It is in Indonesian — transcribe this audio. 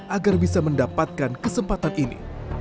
agar bisa mendapatkan kesempatan ini